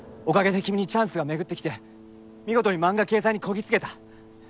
おかげで君にチャンスが巡ってきて見事に漫画掲載にこぎ着けた。